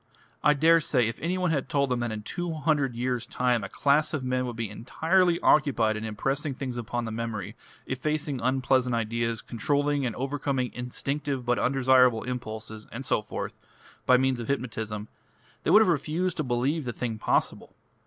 I daresay if any one had told them that in two hundred years' time a class of men would be entirely occupied in impressing things upon the memory, effacing unpleasant ideas, controlling and overcoming instinctive but undesirable impulses, and so forth, by means of hypnotism, they would have refused to believe the thing possible.